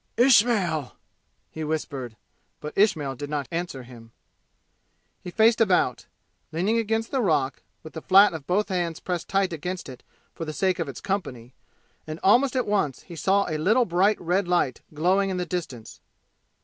"Ismail!" he whispered. But Ismail did not answer him. He faced about, leaning against the rock, with the flat of both hands pressed tight against it for the sake of its company; and almost at once he saw a little bright red light glowing in the distance.